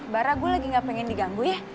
barah gua lagi gak pengen diganggu ya